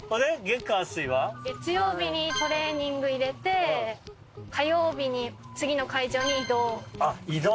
月曜日にトレーニング入れて火曜日に次の会場に移動。